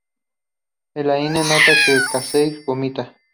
Elaine nota que Casey vomita.